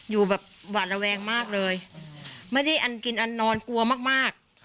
อยู่แบบหวาดระแวงมากเลยไม่ได้อันกินอันนอนกลัวมาก